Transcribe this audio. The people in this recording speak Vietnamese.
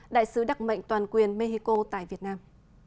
đại sứ đặc mệnh toàn quyền mexico tại việt nam